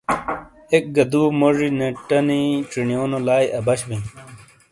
اک گہ دُو موجی نیٹانی چینیونو لائی اَبش بِیں۔